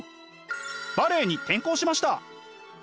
バレエに転向しました。